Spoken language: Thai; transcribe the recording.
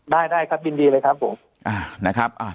ได้ครับยินดีเลยครับผม